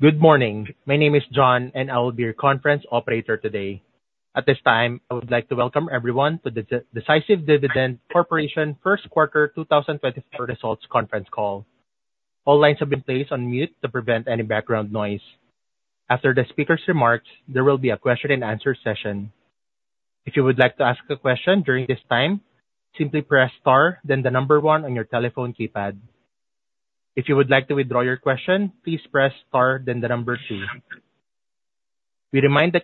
Good morning. My name is John, and I will be your conference operator today. At this time, I would like to welcome everyone to the Decisive Dividend Corporation first quarter 2024 results conference call. All lines have been placed on mute to prevent any background noise. After the speaker's remarks, there will be a question and answer session. If you would like to ask a question during this time, simply press star, then the number one on your telephone keypad. If you would like to withdraw your question, please press star, then the number two. We remind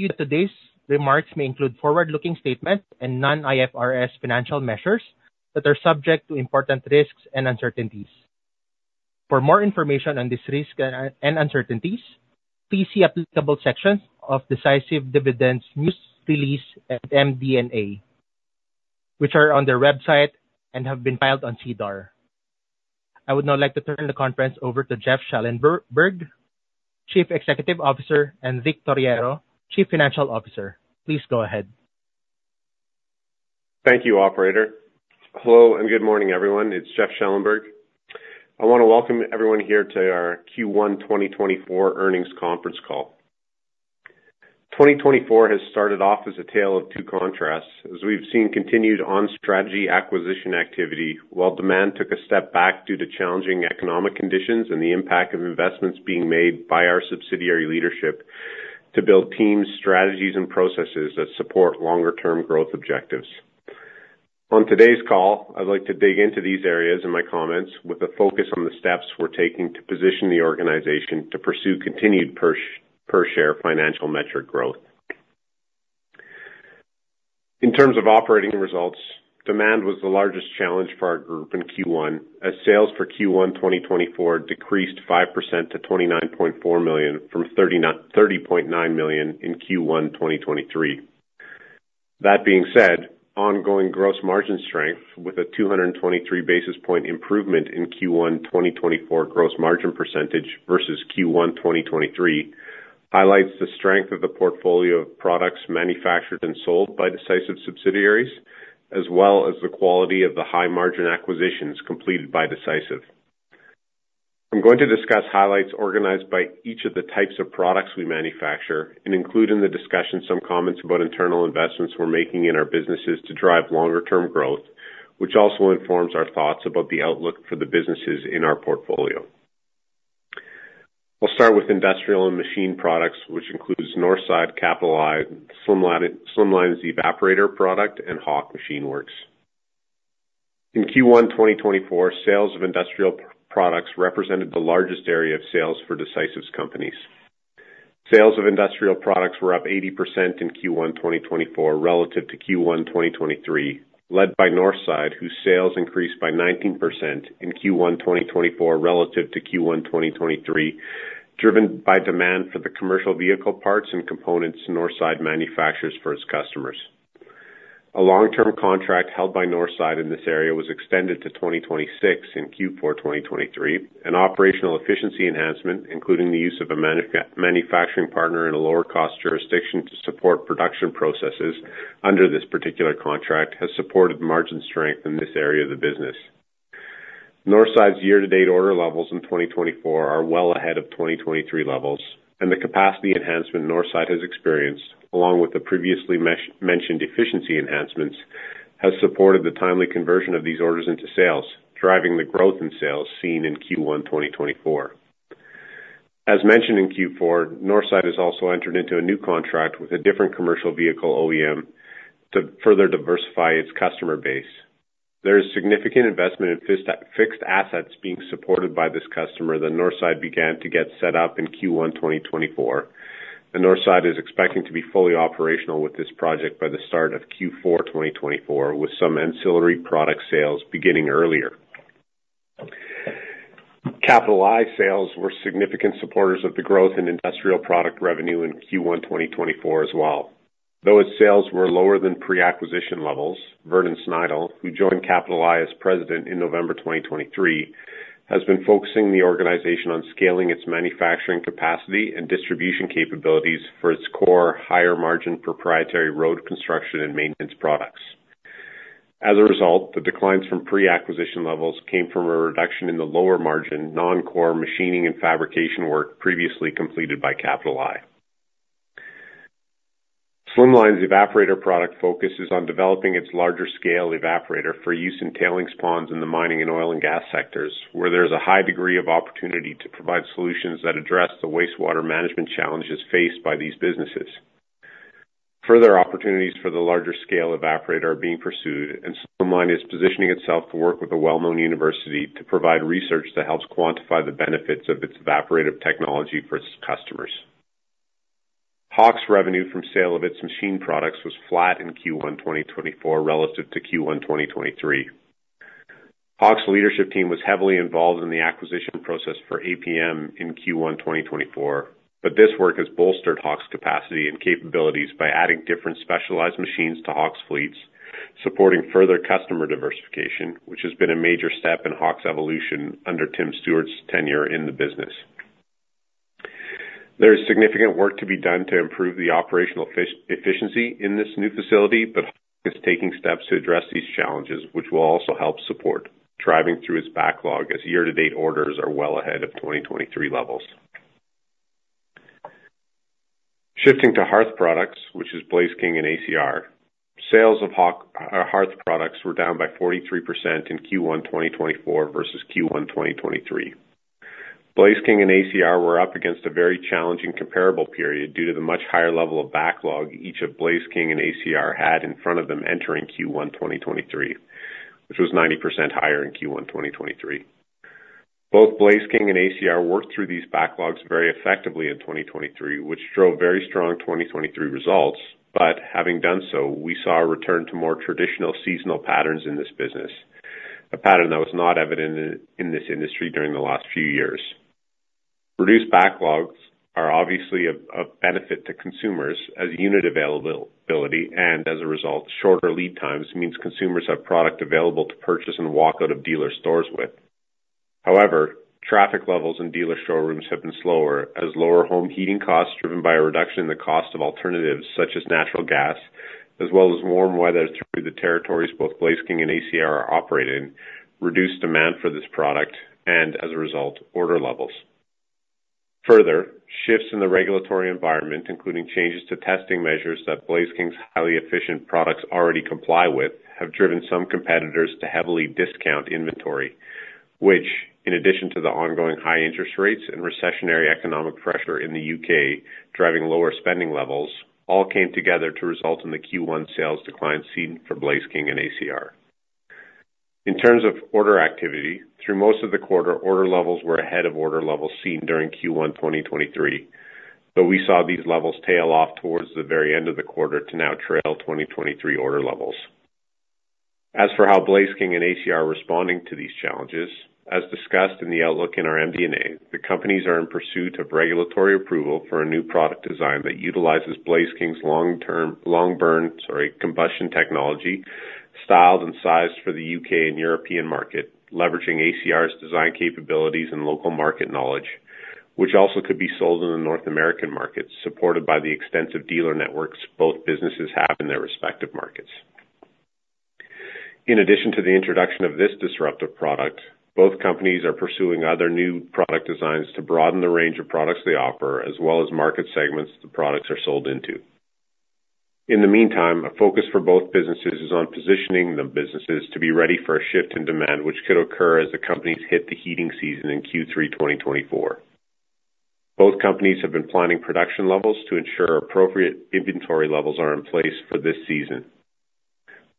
you that today's remarks may include forward-looking statements and non-IFRS financial measures that are subject to important risks and uncertainties. For more information on this risk and uncertainties, please see applicable sections of Decisive Dividend's news release, and MD&A, which are on their website and have been filed on SEDAR. I would now like to turn the conference over to Jeff Schellenberg, Chief Executive Officer, and Rick Torriero, Chief Financial Officer. Please go ahead. Thank you, operator. Hello, and good morning, everyone. It's Jeff Schellenberg. I want to welcome everyone here to our Q1 2024 earnings conference call. 2024 has started off as a tale of two contrasts, as we've seen continued on-strategy acquisition activity, while demand took a step back due to challenging economic conditions and the impact of investments being made by our subsidiary leadership to build teams, strategies, and processes that support longer-term growth objectives. On today's call, I'd like to dig into these areas in my comments, with a focus on the steps we're taking to position the organization to pursue continued per share financial metric growth. In terms of operating results, demand was the largest challenge for our group in Q1, as sales for Q1 2024 decreased 5% to 29.4 million from 30.9 million in Q1 2023. That being said, ongoing gross margin strength with a 223 basis point improvement in Q1 2024 gross margin percentage versus Q1 2023, highlights the strength of the portfolio of products manufactured and sold by Decisive subsidiaries, as well as the quality of the high-margin acquisitions completed by Decisive. I'm going to discuss highlights organized by each of the types of products we manufacture and include in the discussion some comments about internal investments we're making in our businesses to drive longer-term growth, which also informs our thoughts about the outlook for the businesses in our portfolio. I'll start with industrial and machine products, which includes Northside, Capital I, Slimline evaporator product, and Hawk Machine Works. In Q1 2024, sales of industrial products represented the largest area of sales for Decisive's companies. Sales of industrial products were up 80% in Q1 2024, relative to Q1 2023, led by Northside, whose sales increased by 19% in Q1 2024, relative to Q1 2023, driven by demand for the commercial vehicle parts and components Northside manufactures for its customers. A long-term contract held by Northside in this area was extended to 2026 in Q4 2023. An operational efficiency enhancement, including the use of a manufacturing partner in a lower-cost jurisdiction to support production processes under this particular contract, has supported margin strength in this area of the business. Northside's year-to-date order levels in 2024 are well ahead of 2023 levels, and the capacity enhancement Northside has experienced, along with the previously mentioned efficiency enhancements, has supported the timely conversion of these orders into sales, driving the growth in sales seen in Q1 2024. As mentioned in Q4, Northside has also entered into a new contract with a different commercial vehicle OEM to further diversify its customer base. There is significant investment in fixed assets being supported by this customer that Northside began to get set up in Q1 2024. Northside is expecting to be fully operational with this project by the start of Q4 2024, with some ancillary product sales beginning earlier. Capital I sales were significant supporters of the growth in industrial product revenue in Q1 2024 as well. Though its sales were lower than pre-acquisition levels, Vernon Snidal, who joined Capital I as President in November 2023, has been focusing the organization on scaling its manufacturing capacity and distribution capabilities for its core, higher-margin, proprietary road construction and maintenance products. As a result, the declines from pre-acquisition levels came from a reduction in the lower margin, non-core machining and fabrication work previously completed by Capital I. Slimline evaporator product focuses on developing its larger scale evaporator for use in tailings ponds in the mining and oil and gas sectors, where there is a high degree of opportunity to provide solutions that address the wastewater management challenges faced by these businesses. Further opportunities for the larger scale evaporator are being pursued, and Slimline is positioning itself to work with a well-known university to provide research that helps quantify the benefits of its evaporative technology for its customers. Hawk's revenue from sale of its machine products was flat in Q1 2024, relative to Q1 2023. Hawk's leadership team was heavily involved in the acquisition process for APM in Q1 2024, but this work has bolstered Hawk's capacity and capabilities by adding different specialized machines to Hawk's fleets, supporting further customer diversification, which has been a major step in Hawk's evolution under Tim Stewart's tenure in the business. There is significant work to be done to improve the operational efficiency in this new facility, but is taking steps to address these challenges, which will also help support driving through its backlog as year-to-date orders are well ahead of 2023 levels. Shifting to hearth products, which is Blaze King and ACR. Sales of hearth products were down by 43% in Q1 2024, versus Q1 2023. Blaze King and ACR were up against a very challenging comparable period due to the much higher level of backlog each of Blaze King and ACR had in front of them entering Q1, 2023, which was 90% higher in Q1, 2023. Both Blaze King and ACR worked through these backlogs very effectively in 2023, which drove very strong 2023 results, but having done so, we saw a return to more traditional seasonal patterns in this business, a pattern that was not evident in this industry during the last few years. Reduced backlogs are obviously of benefit to consumers as unit availability, and as a result, shorter lead times, means consumers have product available to purchase and walk out of dealer stores with. However, traffic levels in dealer showrooms have been slower as lower home heating costs, driven by a reduction in the cost of alternatives such as natural gas, as well as warm weather through the territories both Blaze King and ACR are operating, reduced demand for this product and, as a result, order levels. Further, shifts in the regulatory environment, including changes to testing measures that Blaze King's highly efficient products already comply with, have driven some competitors to heavily discount inventory, which, in addition to the ongoing high interest rates and recessionary economic pressure in the U.K., driving lower spending levels, all came together to result in the Q1 sales decline seen for Blaze King and ACR. In terms of order activity, through most of the quarter, order levels were ahead of order levels seen during Q1 2023, but we saw these levels tail off towards the very end of the quarter to now trail 2023 order levels. As for how Blaze King and ACR are responding to these challenges, as discussed in the outlook in our MD&A, the companies are in pursuit of regulatory approval for a new product design that utilizes Blaze King's long-term, long-burn, sorry, combustion technology, styled and sized for the U.K. and European market, leveraging ACR's design capabilities and local market knowledge, which also could be sold in the North American market, supported by the extensive dealer networks both businesses have in their respective markets. In addition to the introduction of this disruptive product, both companies are pursuing other new product designs to broaden the range of products they offer, as well as market segments the products are sold into. In the meantime, a focus for both businesses is on positioning the businesses to be ready for a shift in demand, which could occur as the companies hit the heating season in Q3, 2024. Both companies have been planning production levels to ensure appropriate inventory levels are in place for this season.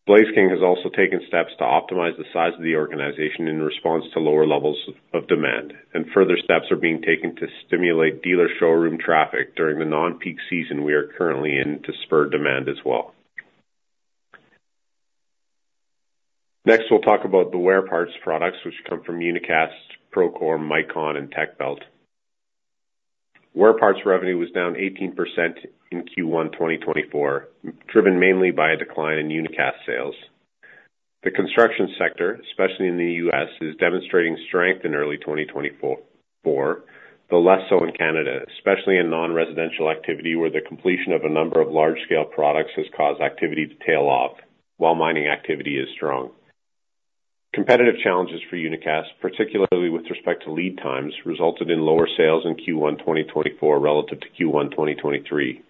Blaze King has also taken steps to optimize the size of the organization in response to lower levels of demand, and further steps are being taken to stimulate dealer showroom traffic during the non-peak season we are currently in to spur demand as well. Next, we'll talk about the wear parts products, which come from Unicast, Procore, Micon, and Techbelt. Wear parts revenue was down 18% in Q1 2024, driven mainly by a decline in Unicast sales. The construction sector, especially in the U.S., is demonstrating strength in early 2024, though less so in Canada, especially in non-residential activity, where the completion of a number of large-scale projects has caused activity to tail off while mining activity is strong. Competitive challenges for Unicast, particularly with respect to lead times, resulted in lower sales in Q1 2024 relative to Q1 2023.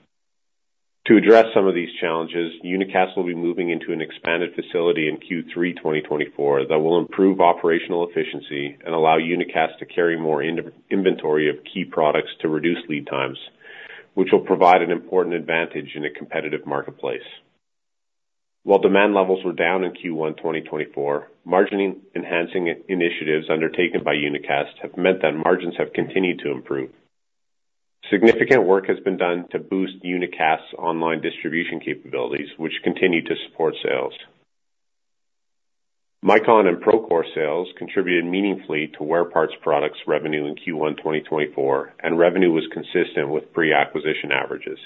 To address some of these challenges, Unicast will be moving into an expanded facility in Q3 2024, that will improve operational efficiency and allow Unicast to carry more inventory of key products to reduce lead times, which will provide an important advantage in a competitive marketplace. While demand levels were down in Q1 2024, margin-enhancing initiatives undertaken by Unicast have meant that margins have continued to improve. Significant work has been done to boost Unicast's online distribution capabilities, which continue to support sales. Micon and Procore sales contributed meaningfully to wear parts products revenue in Q1 2024, and revenue was consistent with pre-acquisition averages.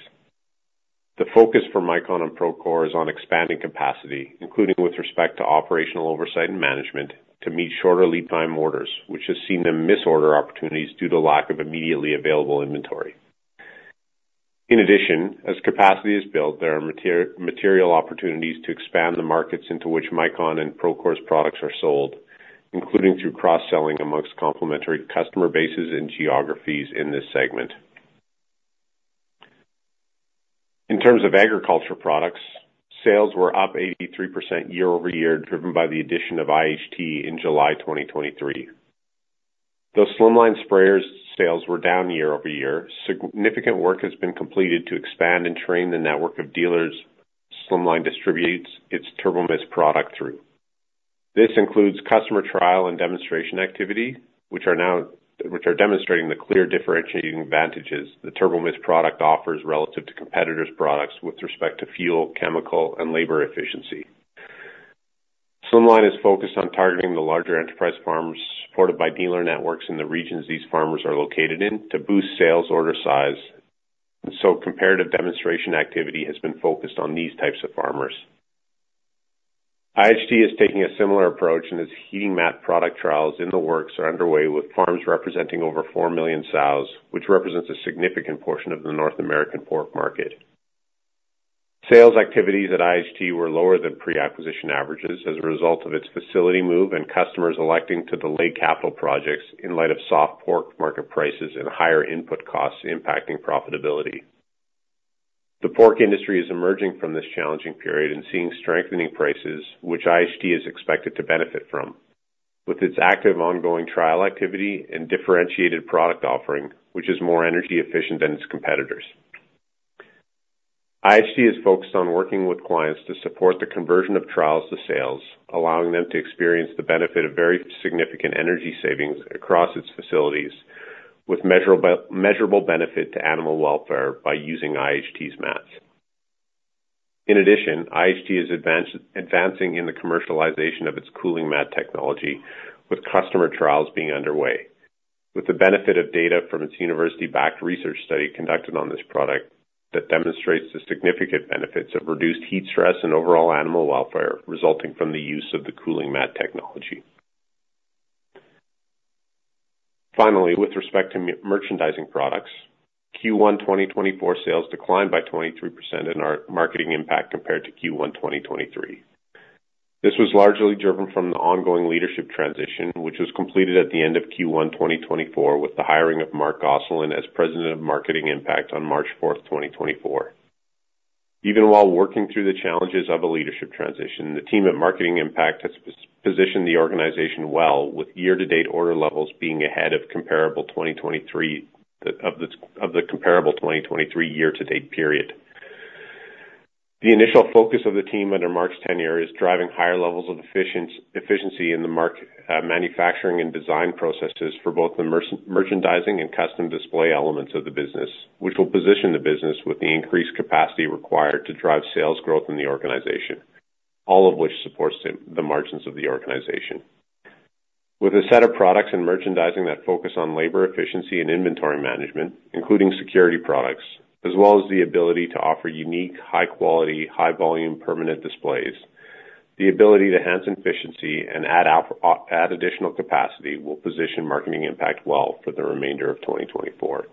The focus for Micon and Procore is on expanding capacity, including with respect to operational oversight and management, to meet shorter lead time orders, which has seen them miss order opportunities due to lack of immediately available inventory. In addition, as capacity is built, there are material opportunities to expand the markets into which Micon and Procore's products are sold, including through cross-selling among complementary customer bases and geographies in this segment. In terms of agriculture products, sales were up 83% year-over-year, driven by the addition of IHT in July 2023. The Slimline sprayers sales were down year-over-year. Significant work has been completed to expand and train the network of dealers Slimline distributes its Turbo-Mist product through. This includes customer trial and demonstration activity, which are demonstrating the clear differentiating advantages the Turbo-Mist product offers relative to competitors' products with respect to fuel, chemical, and labor efficiency. Slimline is focused on targeting the larger enterprise farmers, supported by dealer networks in the regions these farmers are located in, to boost sales order size, and so comparative demonstration activity has been focused on these types of farmers. IHT is taking a similar approach, and its heating mat product trials in the works are underway, with farms representing over 4 million sows, which represents a significant portion of the North American pork market. Sales activities at IHT were lower than pre-acquisition averages as a result of its facility move and customers electing to delay capital projects in light of soft pork market prices and higher input costs impacting profitability. The pork industry is emerging from this challenging period and seeing strengthening prices, which IHT is expected to benefit from, with its active ongoing trial activity and differentiated product offering, which is more energy efficient than its competitors. IHT is focused on working with clients to support the conversion of trials to sales, allowing them to experience the benefit of very significant energy savings across its facilities, with measurable benefit to animal welfare by using IHT's mats. In addition, IHT is advancing in the commercialization of its cooling mat technology, with customer trials being underway, with the benefit of data from its university-backed research study conducted on this product that demonstrates the significant benefits of reduced heat stress and overall animal welfare resulting from the use of the cooling mat technology. Finally, with respect to merchandising products, Q1 2024 sales declined by 23% in our Marketing Impact compared to Q1 2023. This was largely driven from the ongoing leadership transition, which was completed at the end of Q1 2024, with the hiring of Marc Gosselin as President of Marketing Impact on March 4th, 2024. Even while working through the challenges of a leadership transition, the team at Marketing Impact has positioned the organization well, with year-to-date order levels being ahead of comparable 2023—of the comparable 2023 year-to-date period. The initial focus of the team under Marc's tenure is driving higher levels of efficiency in the manufacturing and design processes for both the merchandising and custom display elements of the business, which will position the business with the increased capacity required to drive sales growth in the organization, all of which supports the margins of the organization. With a set of products and merchandising that focus on labor efficiency and inventory management, including security products, as well as the ability to offer unique, high quality, high volume, permanent displays, the ability to enhance efficiency and add additional capacity will position Marketing Impact well for the remainder of 2024.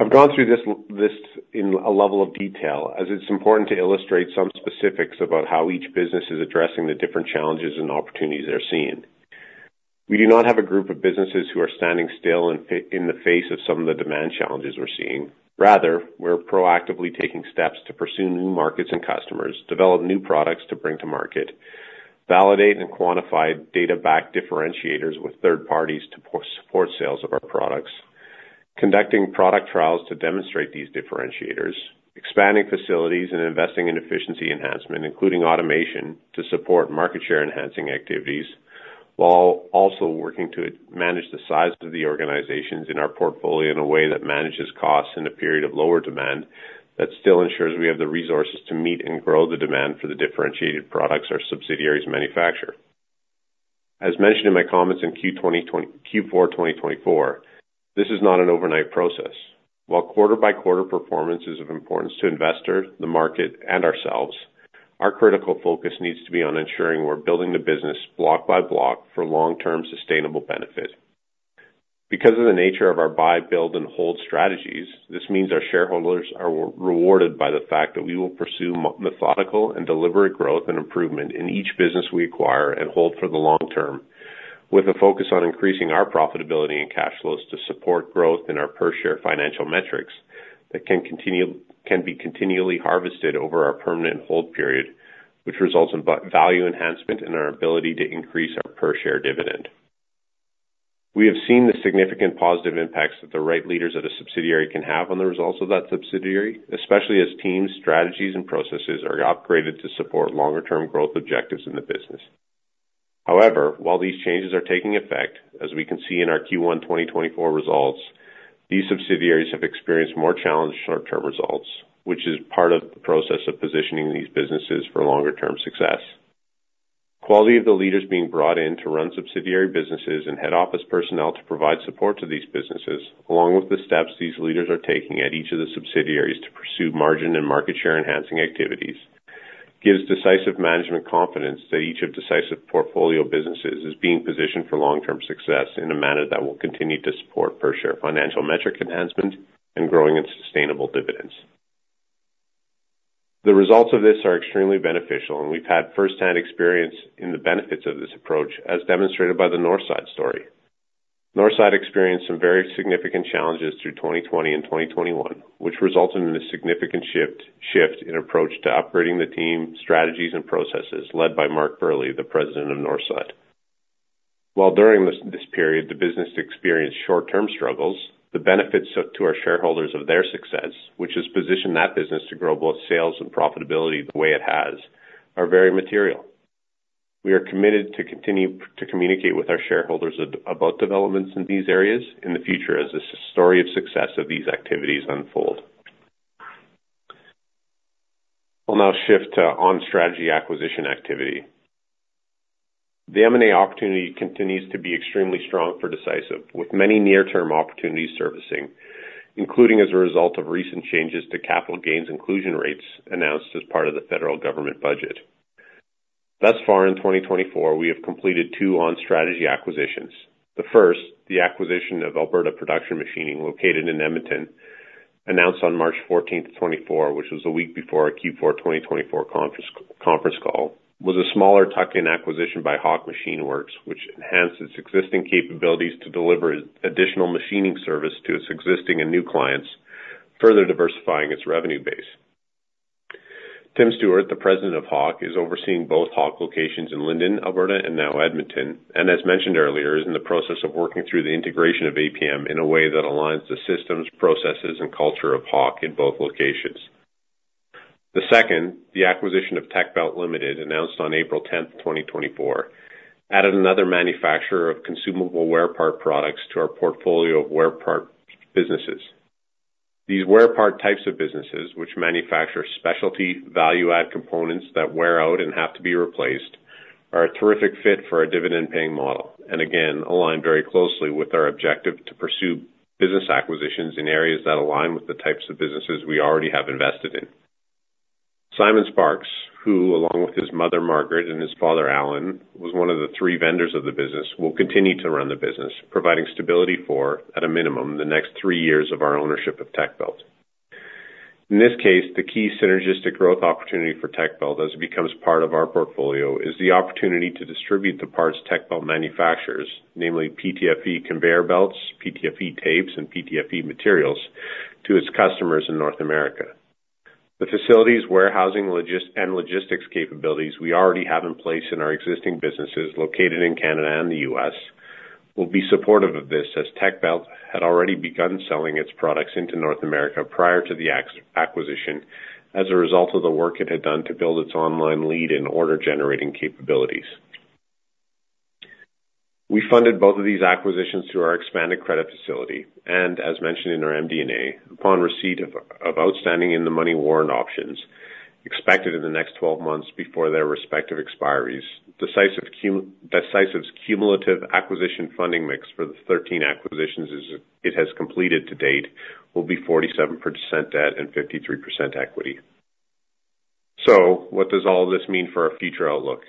I've gone through this in a level of detail, as it's important to illustrate some specifics about how each business is addressing the different challenges and opportunities they're seeing. We do not have a group of businesses who are standing still in the face of some of the demand challenges we're seeing. Rather, we're proactively taking steps to pursue new markets and customers, develop new products to bring to market, validate and quantify data-backed differentiators with third parties to support sales of our products, conducting product trials to demonstrate these differentiators, expanding facilities and investing in efficiency enhancement, including automation, to support market share enhancing activities, while also working to manage the size of the organizations in our portfolio in a way that manages costs in a period of lower demand that still ensures we have the resources to meet and grow the demand for the differentiated products our subsidiaries manufacture. As mentioned in my comments in Q4 2024, this is not an overnight process. While quarter-by-quarter performance is of importance to investors, the market, and ourselves, our critical focus needs to be on ensuring we're building the business block by block for long-term, sustainable benefit. Because of the nature of our buy, build, and hold strategies, this means our shareholders are rewarded by the fact that we will pursue methodical and deliberate growth and improvement in each business we acquire and hold for the long term, with a focus on increasing our profitability and cash flows to support growth in our per share financial metrics that can be continually harvested over our permanent hold period, which results in value enhancement in our ability to increase our per-share dividend. We have seen the significant positive impacts that the right leaders at a subsidiary can have on the results of that subsidiary, especially as teams, strategies, and processes are upgraded to support longer term growth objectives in the business. However, while these changes are taking effect, as we can see in our Q1 2024 results, these subsidiaries have experienced more challenged short-term results, which is part of the process of positioning these businesses for longer term success. Quality of the leaders being brought in to run subsidiary businesses and head office personnel to provide support to these businesses, along with the steps these leaders are taking at each of the subsidiaries to pursue margin and market share enhancing activities, gives Decisive management confidence that each of Decisive portfolio businesses is being positioned for long-term success in a manner that will continue to support per share financial metric enhancement and growing its sustainable dividends. The results of this are extremely beneficial, and we've had firsthand experience in the benefits of this approach, as demonstrated by the Northside story. Northside experienced some very significant challenges through 2020 and 2021, which resulted in a significant shift in approach to operating the team, strategies, and processes led by Mark Burleigh, the President of Northside. While during this period, the business experienced short-term struggles, the benefits to our shareholders of their success, which has positioned that business to grow both sales and profitability the way it has, are very material. We are committed to continue to communicate with our shareholders about developments in these areas in the future as the story of success of these activities unfold. We'll now shift to on-strategy acquisition activity. The M&A opportunity continues to be extremely strong for Decisive, with many near-term opportunities surfacing, including as a result of recent changes to capital gains inclusion rates announced as part of the federal government budget. Thus far, in 2024, we have completed two on-strategy acquisitions. The first, the acquisition of Alberta Production Machining, located in Edmonton, announced on March 14, 2024, which was a week before our Q4 2024 conference, conference call, was a smaller tuck-in acquisition by Hawk Machine Works, which enhanced its existing capabilities to deliver additional machining service to its existing and new clients, further diversifying its revenue base. Tim Stewart, the President of Hawk, is overseeing both Hawk locations in Linden, Alberta, and now Edmonton, and as mentioned earlier, is in the process of working through the integration of APM in a way that aligns the systems, processes, and culture of Hawk in both locations. The second, the acquisition of Techbelt Limited, announced on April 10th, 2024, added another manufacturer of consumable wear part products to our portfolio of wear part businesses. These wear part types of businesses, which manufacture specialty value-add components that wear out and have to be replaced, are a terrific fit for our dividend-paying model, and again, align very closely with our objective to pursue business acquisitions in areas that align with the types of businesses we already have invested in. Simon Sparks, who, along with his mother, Margaret, and his father, Alan, was one of the three vendors of the business, will continue to run the business, providing stability for, at a minimum, the next three years of our ownership of Techbelt. In this case, the key synergistic growth opportunity for Techbelt as it becomes part of our portfolio, is the opportunity to distribute the parts Techbelt manufactures, namely PTFE conveyor belts, PTFE tapes, and PTFE materials, to its customers in North America. The facilities, warehousing, and logistics capabilities we already have in place in our existing businesses, located in Canada and the U.S., will be supportive of this as Techbelt had already begun selling its products into North America prior to the acquisition as a result of the work it had done to build its online lead in order-generating capabilities. We funded both of these acquisitions through our expanded credit facility, and as mentioned in our MD&A, upon receipt of outstanding in-the-money warrant options expected in the next 12 months before their respective expiries, Decisive's cumulative acquisition funding mix for the 13 acquisitions it has completed to date will be 47% debt and 53% equity. So what does all this mean for our future outlook?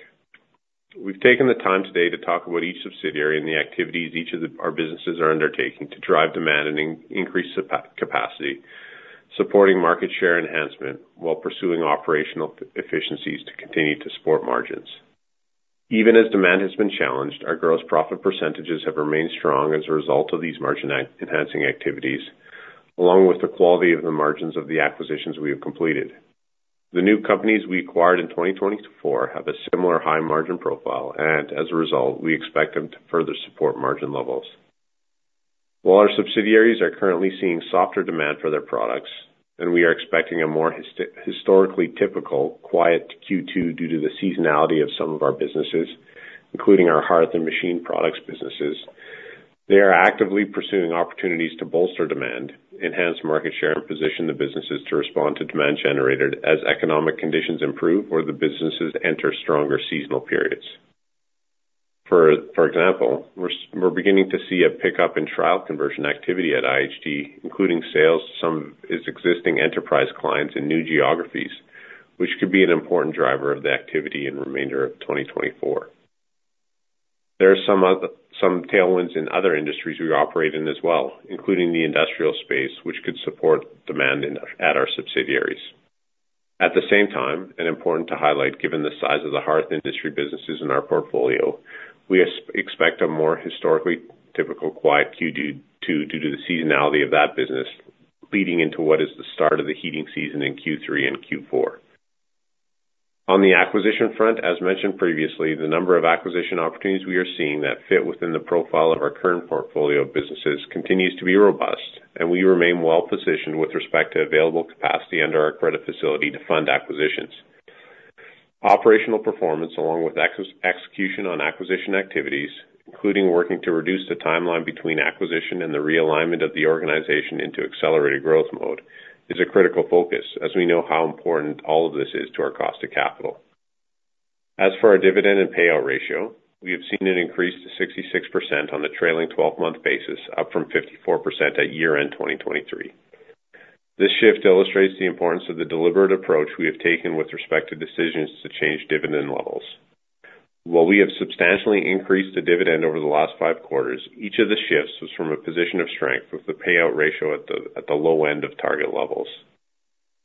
We've taken the time today to talk about each subsidiary and the activities each of our businesses are undertaking to drive demand and increase capacity, supporting market share enhancement, while pursuing operational efficiencies to continue to support margins. Even as demand has been challenged, our gross profit percentages have remained strong as a result of these margin enhancing activities, along with the quality of the margins of the acquisitions we have completed. The new companies we acquired in 2024 have a similar high margin profile, and as a result, we expect them to further support margin levels. While our subsidiaries are currently seeing softer demand for their products, and we are expecting a more historically typical quiet Q2 due to the seasonality of some of our businesses, including our hearth and machine products businesses, they are actively pursuing opportunities to bolster demand, enhance market share, and position the businesses to respond to demand generated as economic conditions improve or the businesses enter stronger seasonal periods. For example, we're beginning to see a pickup in trial conversion activity at IHT, including sales to some of its existing enterprise clients in new geographies, which could be an important driver of the activity in remainder of 2024. There are some other tailwinds in other industries we operate in as well, including the industrial space, which could support demand at our subsidiaries. At the same time, and important to highlight, given the size of the hearth industry businesses in our portfolio, we expect a more historically typical quiet Q2 due to the seasonality of that business, leading into what is the start of the heating season in Q3 and Q4. On the acquisition front, as mentioned previously, the number of acquisition opportunities we are seeing that fit within the profile of our current portfolio of businesses continues to be robust, and we remain well positioned with respect to available capacity under our credit facility to fund acquisitions. Operational performance, along with execution on acquisition activities, including working to reduce the timeline between acquisition and the realignment of the organization into accelerated growth mode, is a critical focus as we know how important all of this is to our cost of capital. As for our dividend and payout ratio, we have seen it increase to 66% on the trailing 12-month basis, up from 54% at year-end 2023. This shift illustrates the importance of the deliberate approach we have taken with respect to decisions to change dividend levels. While we have substantially increased the dividend over the last five quarters, each of the shifts was from a position of strength with the payout ratio at the low end of target levels.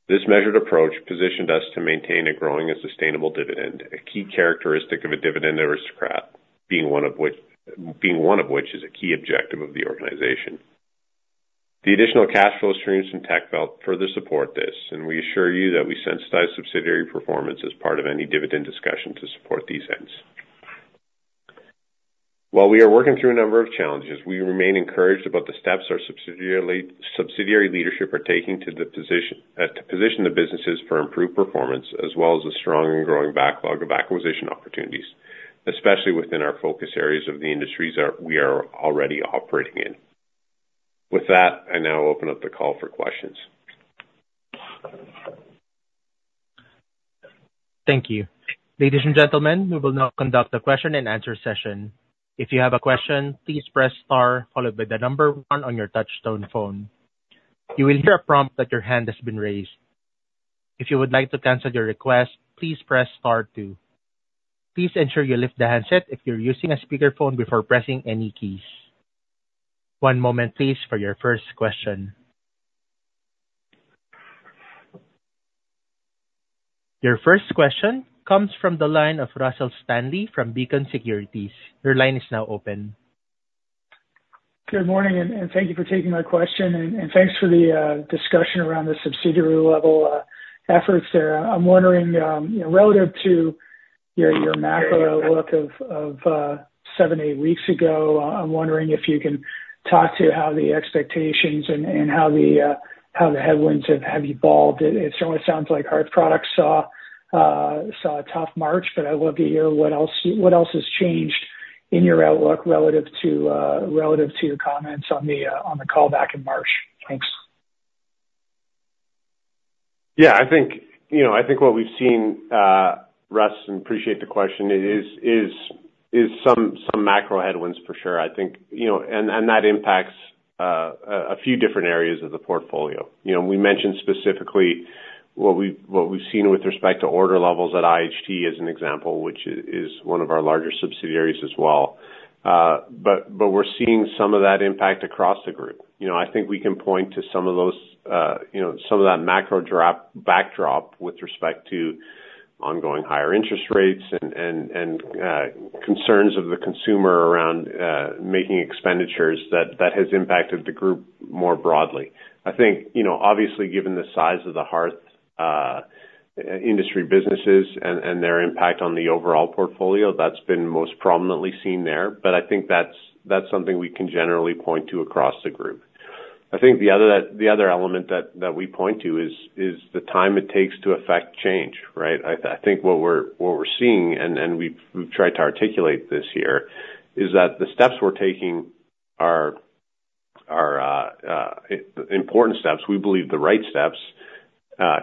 This measured approach positioned us to maintain a growing and sustainable dividend, a key characteristic of a dividend aristocrat, being one of which is a key objective of the organization. The additional cash flow streams from Techbelt further support this, and we assure you that we sensitize subsidiary performance as part of any dividend discussion to support these ends. While we are working through a number of challenges, we remain encouraged about the steps our subsidiary leadership are taking to position the businesses for improved performance, as well as a strong and growing backlog of acquisition opportunities, especially within our focus areas of the industries we are already operating in. With that, I now open up the call for questions. Thank you. Ladies and gentlemen, we will now conduct a question and answer session. If you have a question, please press star followed by the number one on your touchtone phone. You will hear a prompt that your hand has been raised. If you would like to cancel your request, please press star, two. Please ensure you lift the handset if you're using a speakerphone before pressing any keys. One moment please, for your first question. Your first question comes from the line of Russell Stanley from Beacon Securities. Your line is now open. Good morning, and thank you for taking my question, and thanks for the discussion around the subsidiary level efforts there. I'm wondering, you know, relative to your macro look of seven to eight weeks ago, I'm wondering if you can talk to how the expectations and how the headwinds have evolved. It certainly sounds like hearth products saw a tough March, but I'd love to hear what else has changed in your outlook relative to your comments on the call back in March. Thanks. Yeah, I think, you know, I think what we've seen, Russ, and appreciate the question, is some macro headwinds for sure. I think, you know, and that impacts a few different areas of the portfolio. You know, we mentioned specifically what we've seen with respect to order levels at IHT, as an example, which is one of our larger subsidiaries as well. But we're seeing some of that impact across the group. You know, I think we can point to some of those, you know, some of that macro backdrop with respect to ongoing higher interest rates and concerns of the consumer around making expenditures, that has impacted the group more broadly. I think, you know, obviously, given the size of the hearth industry businesses and their impact on the overall portfolio, that's been most prominently seen there. But I think that's something we can generally point to across the group. I think the other element that we point to is the time it takes to effect change, right? I think what we're seeing, and we've tried to articulate this year, is that the steps we're taking are important steps. We believe the right steps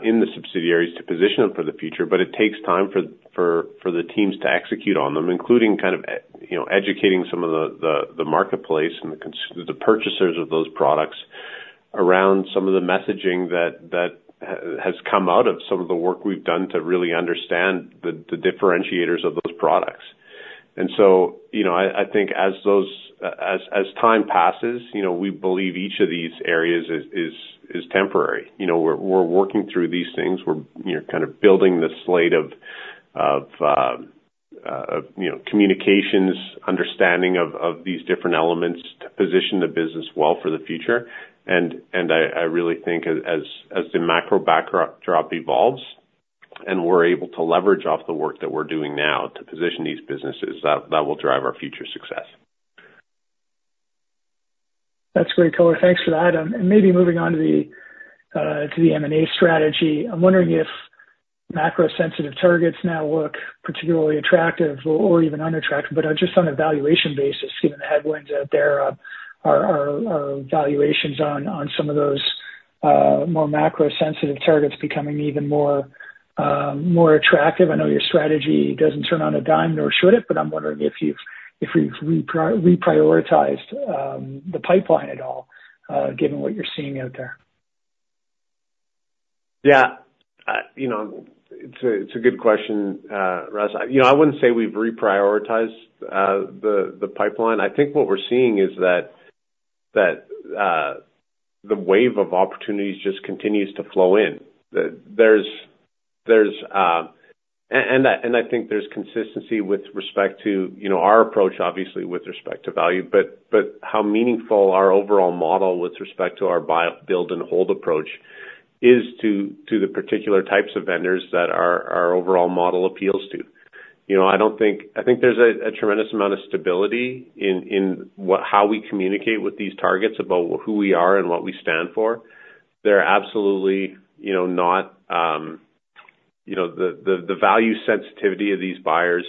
in the subsidiaries to position them for the future, but it takes time for the teams to execute on them, including kind of you know, educating some of the marketplace and the purchasers of those products around some of the messaging that has come out of some of the work we've done to really understand the differentiators of those products. And so, you know, I think as time passes, you know, we believe each of these areas is temporary. You know, we're working through these things. We're you know, kind of building the slate of you know, communications, understanding of these different elements to position the business well for the future. I really think as the macro backdrop evolves, and we're able to leverage off the work that we're doing now to position these businesses, that will drive our future success. That's great, color. Thanks for that. And maybe moving on to the M&A strategy. I'm wondering if macro-sensitive targets now look particularly attractive or even unattractive, but just on a valuation basis, given the headwinds out there, are valuations on some of those more macro-sensitive targets becoming even more attractive? I know your strategy doesn't turn on a dime, nor should it, but I'm wondering if you've reprioritized the pipeline at all, given what you're seeing out there. Yeah. You know, it's a good question, Russ. You know, I wouldn't say we've reprioritized the pipeline. I think what we're seeing is that the wave of opportunities just continues to flow in. There's... And I think there's consistency with respect to, you know, our approach, obviously, with respect to value, but how meaningful our overall model with respect to our buy, build and hold approach is to the particular types of vendors that our overall model appeals to. You know, I don't think... I think there's a tremendous amount of stability in how we communicate with these targets about who we are and what we stand for. They're absolutely, you know, not, you know, the value sensitivity of these buyers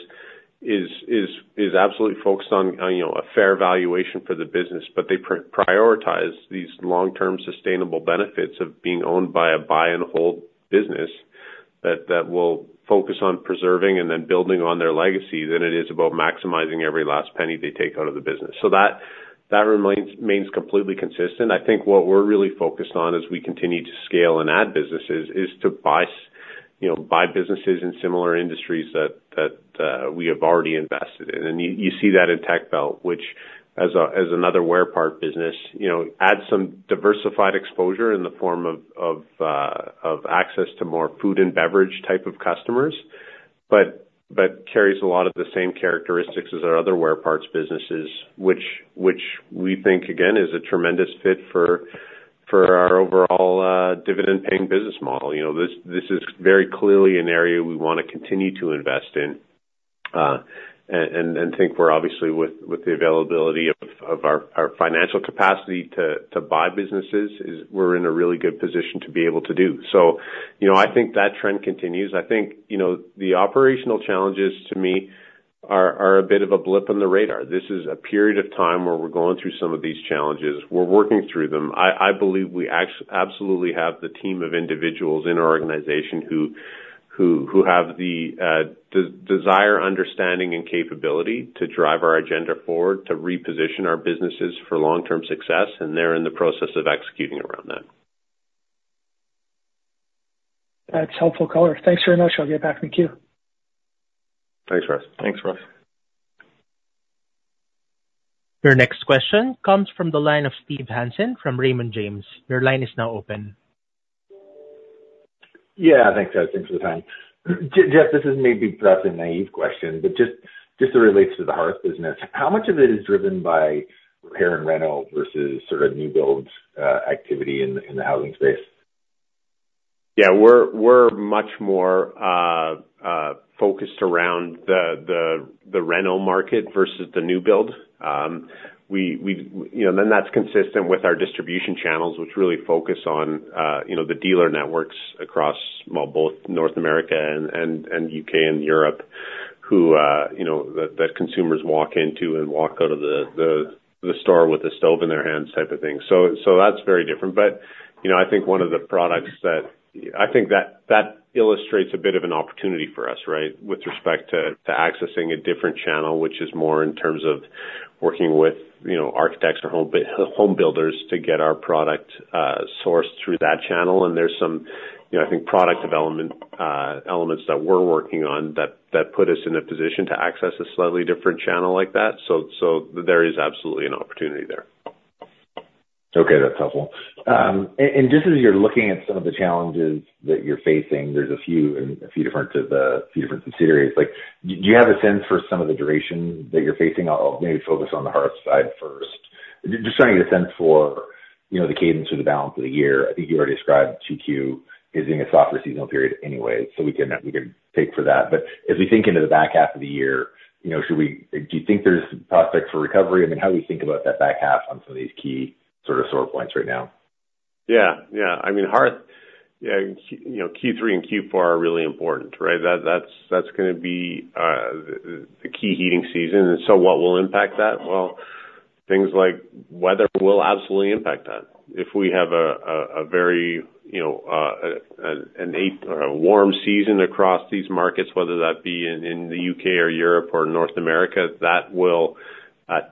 is absolutely focused on, you know, a fair valuation for the business. But they prioritize these long-term sustainable benefits of being owned by a buy and hold business, that will focus on preserving and then building on their legacy, than it is about maximizing every last penny they take out of the business. So that remains completely consistent. I think what we're really focused on as we continue to scale and add businesses, is to buy, you know, buy businesses in similar industries that we have already invested in. You see that in Techbelt, which as another wear part business, you know, adds some diversified exposure in the form of access to more food and beverage type of customers, but carries a lot of the same characteristics as our other wear parts businesses, which we think, again, is a tremendous fit for our overall dividend-paying business model. You know, this is very clearly an area we wanna continue to invest in, and think we're obviously with the availability of our financial capacity to buy businesses, is we're in a really good position to be able to do. So, you know, I think that trend continues. I think, you know, the operational challenges to me are a bit of a blip on the radar. This is a period of time where we're going through some of these challenges. We're working through them. I believe we absolutely have the team of individuals in our organization who have the desire, understanding, and capability to drive our agenda forward, to reposition our businesses for long-term success, and they're in the process of executing around that. That's helpful color. Thanks very much. I'll get back in the queue. Thanks, Russ. Thanks, Russ. Your next question comes from the line of Steve Hansen from Raymond James. Your line is now open. Yeah, thanks, guys. Thanks for the time. Jeff, this is maybe perhaps a naive question, but just, just as it relates to the hearth business, how much of it is driven by repair and reno versus sort of new builds activity in the housing space? Yeah, we're much more focused around the reno market versus the new build. We've—you know, and then that's consistent with our distribution channels, which really focus on, you know, the dealer networks across, well, both North America and U.K. and Europe, who, you know, that consumers walk into and walk out of the store with a stove in their hands type of thing. So that's very different. But, you know, I think one of the products that—I think that illustrates a bit of an opportunity for us, right? With respect to accessing a different channel, which is more in terms of working with, you know, architects or home builders to get our product sourced through that channel. There's some, you know, I think, product development elements that we're working on, that put us in a position to access a slightly different channel like that. So there is absolutely an opportunity there. Okay, that's helpful. And just as you're looking at some of the challenges that you're facing, there's a few different considerations. Like, do you have a sense for some of the duration that you're facing? I'll maybe focus on the hearth side first. Just trying to get a sense for, you know, the cadence for the balance of the year. I think you already described 2Q as being a softer seasonal period anyway, so we can, we can take for that. But as we think into the back half of the year, you know, should we-- do you think there's prospects for recovery? I mean, how do you think about that back half on some of these key sort of sore points right now? Yeah, yeah. I mean, hearth, yeah, you know, Q3 and Q4 are really important, right? That's gonna be the key heating season. And so what will impact that? Well, things like weather will absolutely impact that. If we have a very, you know, a late or a warm season across these markets, whether that be in the U.K. or Europe or North America, that will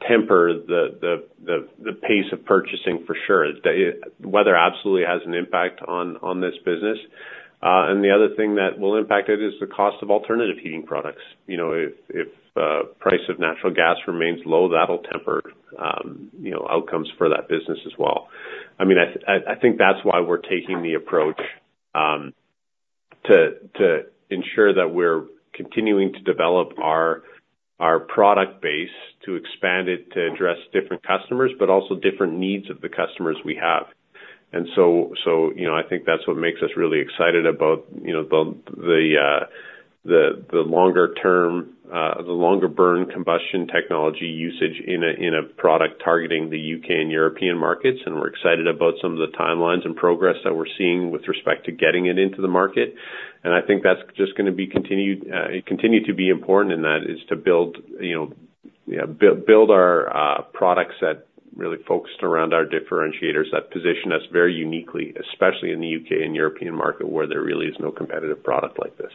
temper the pace of purchasing for sure. The weather absolutely has an impact on this business. And the other thing that will impact it is the cost of alternative heating products. You know, if price of natural gas remains low, that'll temper, you know, outcomes for that business as well. I mean, I think that's why we're taking the approach to ensure that we're continuing to develop our product base, to expand it, to address different customers, but also different needs of the customers we have. And so, you know, I think that's what makes us really excited about, you know, the longer term, the longer burn combustion technology usage in a product targeting the U.K. and European markets. And we're excited about some of the timelines and progress that we're seeing with respect to getting it into the market. I think that's just gonna continue to be important, and that is to build, you know, our products that really focused around our differentiators, that position us very uniquely, especially in the U.K. and European market, where there really is no competitive product like this.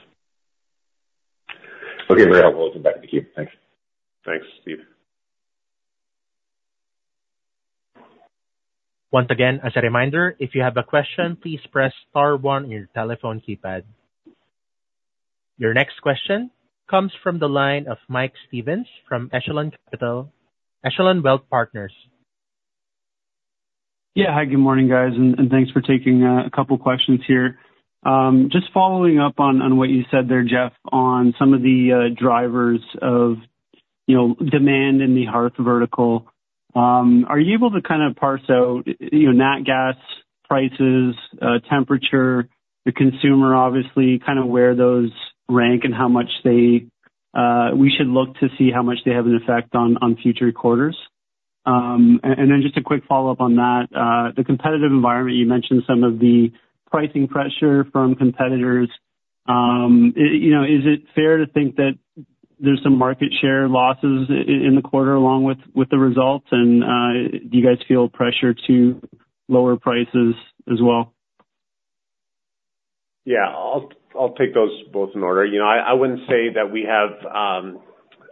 Okay, very helpful. Back to you. Thanks. Thanks, Steve. Once again, as a reminder, if you have a question, please press star one on your telephone keypad. Your next question comes from the line of Mike Stevens from Echelon Wealth Partners. Yeah. Hi, good morning, guys, and thanks for taking a couple questions here. Just following up on what you said there, Jeff, on some of the drivers of, you know, demand in the hearth vertical. Are you able to kind of parse out, you know, nat gas prices, temperature, the consumer, obviously, kind of where those rank and how much they, we should look to see how much they have an effect on future quarters? And then just a quick follow-up on that, the competitive environment, you mentioned some of the pricing pressure from competitors. You know, is it fair to think that there's some market share losses in the quarter along with the results? And do you guys feel pressure to lower prices as well? Yeah, I'll take those both in order. You know, I wouldn't say that we have.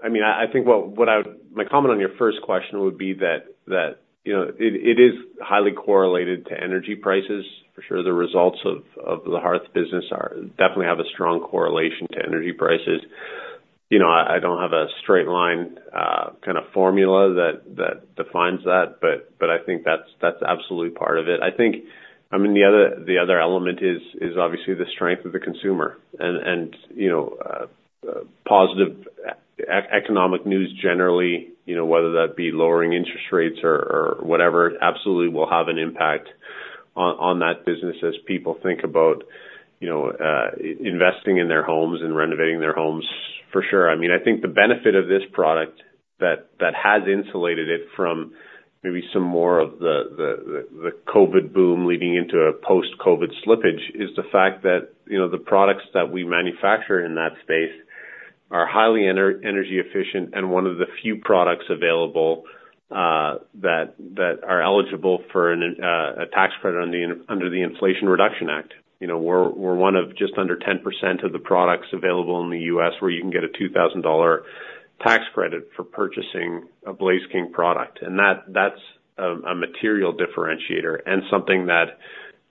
I mean, I think what my comment on your first question would be that, you know, it is highly correlated to energy prices. For sure, the results of the hearth business are definitely have a strong correlation to energy prices. You know, I don't have a straight line kind of formula that defines that, but I think that's absolutely part of it. I think, I mean, the other element is obviously the strength of the consumer and, you know, positive economic news generally, you know, whether that be lowering interest rates or whatever, absolutely will have an impact on that business as people think about, you know, investing in their homes and renovating their homes for sure. I mean, I think the benefit of this product that has insulated it from maybe some more of the COVID boom leading into a post-COVID slippage is the fact that, you know, the products that we manufacture in that space are highly energy efficient and one of the few products available that are eligible for a tax credit under the Inflation Reduction Act. You know, we're one of just under 10% of the products available in the U.S. where you can get a $2,000 tax credit for purchasing a Blaze King product. And that, that's a material differentiator and something that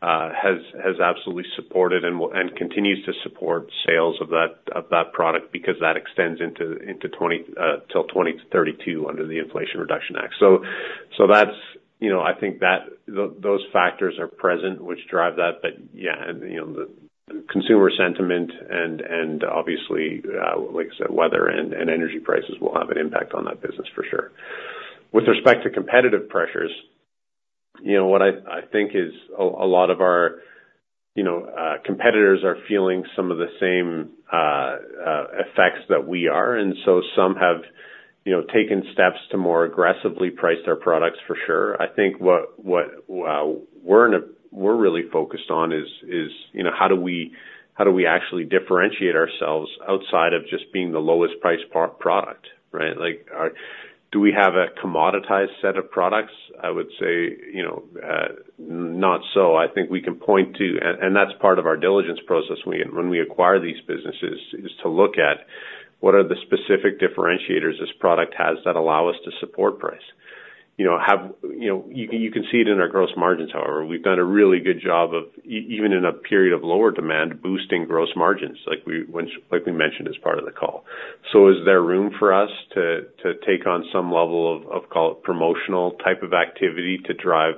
has absolutely supported and continues to support sales of that product because that extends till 2032 under the Inflation Reduction Act. So that's, you know... I think that those factors are present, which drive that. But yeah, and you know, the consumer sentiment and obviously, like I said, weather and energy prices will have an impact on that business for sure. With respect to competitive pressures, you know, what I think is a lot of our, you know, competitors are feeling some of the same effects that we are, and so some have, you know, taken steps to more aggressively price their products for sure. I think what we're really focused on is, you know, how do we actually differentiate ourselves outside of just being the lowest priced product, right? Like, do we have a commoditized set of products? I would say, you know, not so. I think we can point to... And that's part of our diligence process when we acquire these businesses, is to look at what are the specific differentiators this product has that allow us to support price. You know, you can see it in our gross margins, however. We've done a really good job of even in a period of lower demand, boosting gross margins, like we mentioned as part of the call. So is there room for us to take on some level of call it promotional type of activity, to drive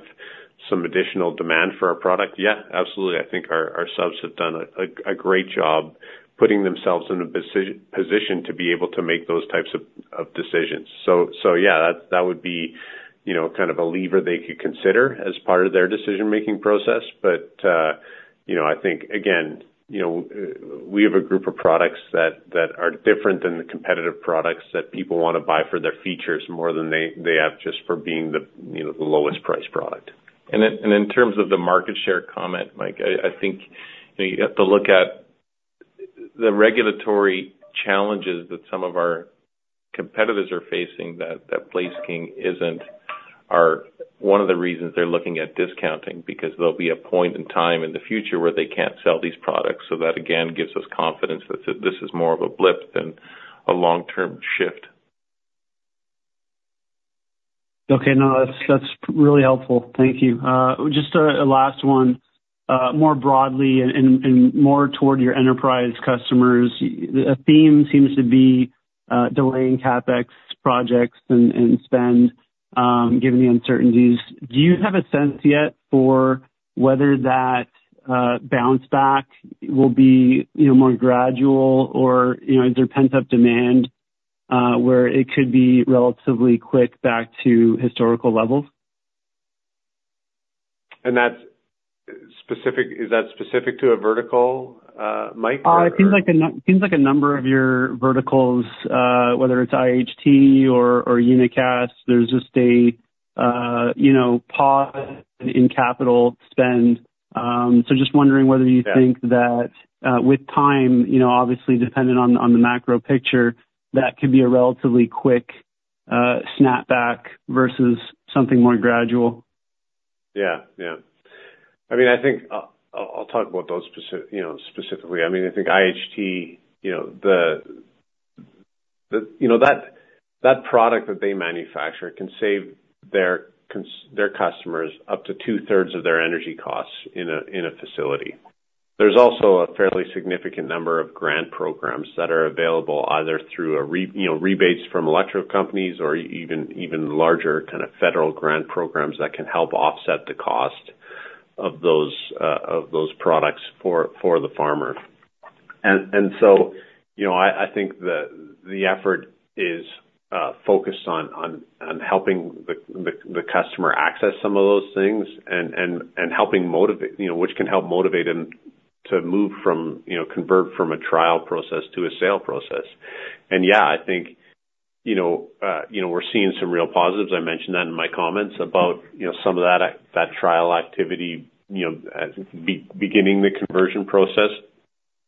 some additional demand for our product? Yeah, absolutely. I think our subs have done a great job putting themselves in a decisive position to be able to make those types of decisions. So yeah, that would be, you know, kind of a lever they could consider as part of their decision-making process. But, you know, I think, again, you know, we have a group of products that, that are different than the competitive products that people wanna buy for their features, more than they, they have just for being the, you know, the lowest priced product. And in terms of the market share comment, Mike, I, I think, you know, you have to look at the regulatory challenges that some of our competitors are facing that, that Blaze King isn't, are one of the reasons they're looking at discounting, because there'll be a point in time in the future where they can't sell these products. So that, again, gives us confidence that this is more of a blip than a long-term shift. Okay. No, that's, that's really helpful. Thank you. Just a last one. More broadly and more toward your enterprise customers, a theme seems to be delaying CapEx projects and spend, given the uncertainties. Do you have a sense yet for whether that bounce back will be, you know, more gradual or, you know, is there pent-up demand, where it could be relatively quick back to historical levels? That's specific. Is that specific to a vertical, Mike? It seems like a number of your verticals, whether it's IHT or Unicast, there's just a, you know, pause in capital spend. So just wondering whether you think- Yeah... that, with time, you know, obviously dependent on, on the macro picture, that could be a relatively quick, snapback versus something more gradual. Yeah. Yeah. I mean, I think I'll talk about those specifically. I mean, I think IHT, you know, the product that they manufacture can save their customers up to 2/3 of their energy costs in a facility. There's also a fairly significant number of grant programs that are available either through rebates from electric companies or even larger kind of federal grant programs that can help offset the cost of those products for the farmer. And so, you know, I think the effort is focused on helping the customer access some of those things and helping motivate... You know, which can help motivate them to move from, you know, convert from a trial process to a sale process. And yeah, I think, you know, we're seeing some real positives. I mentioned that in my comments about, you know, some of that, that trial activity, you know, beginning the conversion process.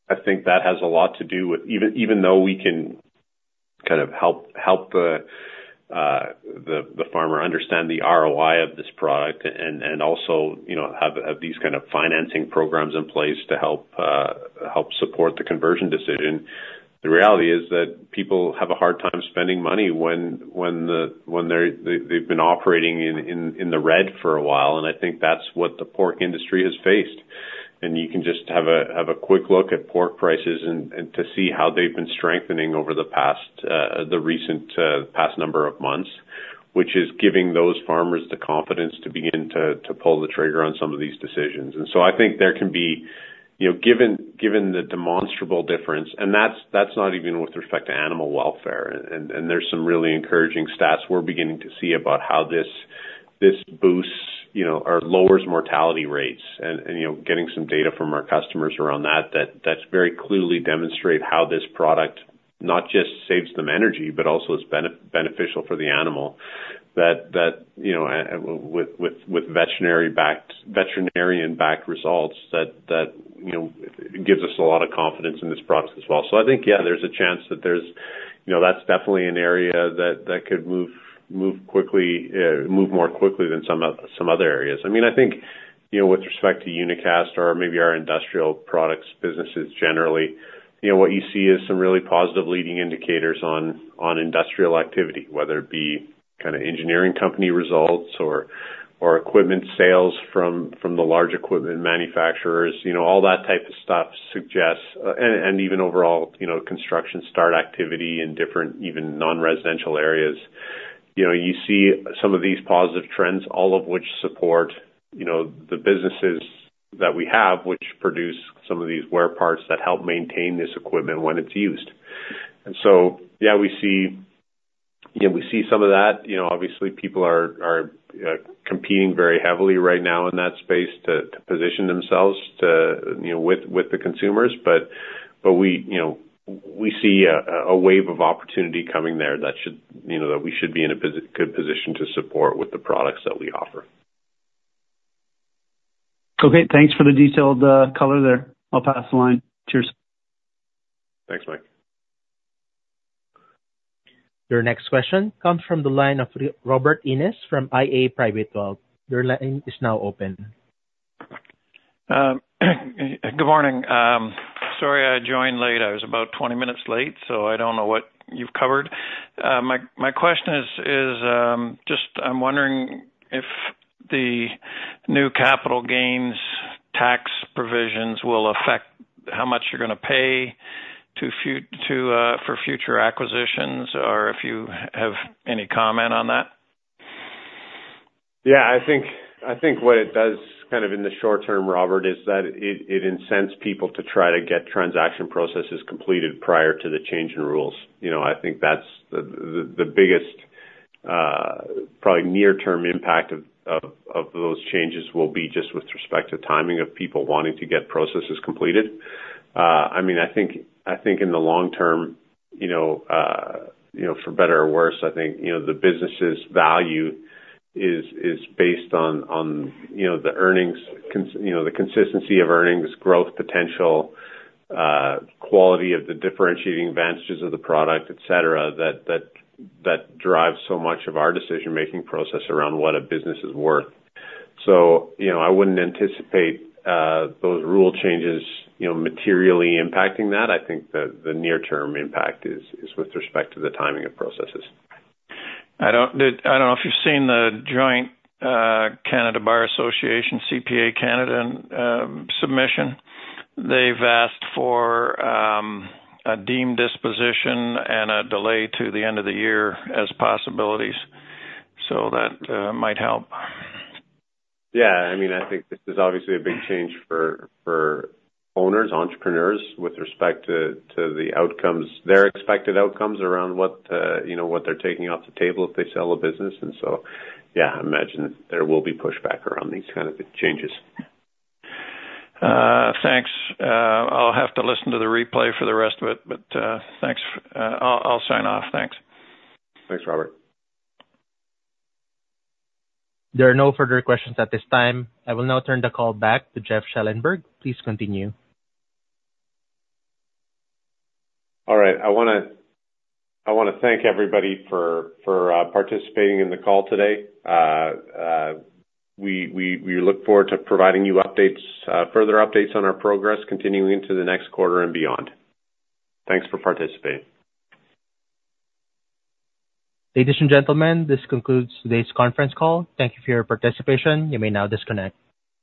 I think that has a lot to do with... Even though we can kind of help the farmer understand the ROI of this product and also, you know, have these kind of financing programs in place to help support the conversion decision, the reality is that people have a hard time spending money when they've been operating in the red for a while, and I think that's what the pork industry has faced. You can just have a quick look at pork prices and to see how they've been strengthening over the past, the recent, past number of months, which is giving those farmers the confidence to begin to pull the trigger on some of these decisions. So I think there can be, you know, given the demonstrable difference, and that's not even with respect to animal welfare, and there's some really encouraging stats we're beginning to see about how this boosts, you know, or lowers mortality rates. And, you know, getting some data from our customers around that, that's very clearly demonstrate how this product not just saves them energy, but also it's beneficial for the animal. That you know with veterinary-backed -- veterinarian-backed results that you know gives us a lot of confidence in this product as well. So I think yeah there's a chance that there's you know that's definitely an area that could move quickly move more quickly than some other areas. I mean I think you know with respect to Unicast or maybe our industrial products businesses generally you know what you see is some really positive leading indicators on industrial activity whether it be kind of engineering company results or equipment sales from the large equipment manufacturers you know all that type of stuff suggests. And even overall you know construction start activity in different even non-residential areas. You know, you see some of these positive trends, all of which support, you know, the businesses that we have, which produce some of these wear parts that help maintain this equipment when it's used. And so, yeah, we see, you know, we see some of that. You know, obviously, people are competing very heavily right now in that space to position themselves to, you know, with the consumers. But we, you know, we see a wave of opportunity coming there that should, you know, that we should be in a good position to support with the products that we offer. Okay, thanks for the detailed, color there. I'll pass the line. Cheers. Thanks, Mike. Your next question comes from the line of Robert Innes from iA Private Wealth. Your line is now open. Good morning. Sorry I joined late. I was about 20 minutes late, so I don't know what you've covered. My question is just I'm wondering if the new capital gains tax provisions will affect how much you're gonna pay for future acquisitions, or if you have any comment on that? Yeah, I think what it does kind of in the short term, Robert, is that it incents people to try to get transaction processes completed prior to the change in rules. You know, I think that's the biggest probably near-term impact of those changes will be just with respect to timing of people wanting to get processes completed. I mean, I think in the long term, you know, you know, for better or worse, I think you know, the business's value is based on you know, the earnings, you know, the consistency of earnings, growth potential, quality of the differentiating advantages of the product, et cetera, that drives so much of our decision-making process around what a business is worth. So, you know, I wouldn't anticipate those rule changes, you know, materially impacting that. I think the near-term impact is with respect to the timing of processes. I don't know if you've seen the joint Canadian Bar Association, CPA Canada submission. They've asked for a deemed disposition and a delay to the end of the year as possibilities, so that might help. Yeah, I mean, I think this is obviously a big change for owners, entrepreneurs, with respect to the outcomes, their expected outcomes around what, you know, what they're taking off the table if they sell a business. And so, yeah, I imagine there will be pushback around these kind of changes. Thanks. I'll have to listen to the replay for the rest of it, but thanks. I'll sign off. Thanks. Thanks, Robert. There are no further questions at this time. I will now turn the call back to Jeff Schellenberg. Please continue. All right. I wanna thank everybody for participating in the call today. We look forward to providing you updates, further updates on our progress continuing into the next quarter and beyond. Thanks for participating. Ladies and gentlemen, this concludes today's conference call. Thank you for your participation. You may now disconnect.